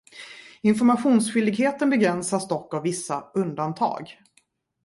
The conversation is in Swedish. Informationsskyldigheten begränsas dock av vissa undantag.